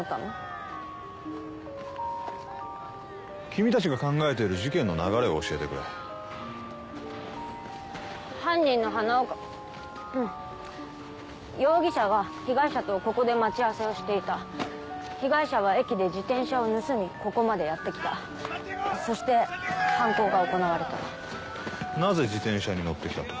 君たちが考えてる事件の流れを教えてくれ犯人の花岡容疑者は被害者とここで待ち合わせをしていた被害者は駅で自転車を盗みここまでやって来たそして犯行が行われたなぜ自転車に乗ってきたと？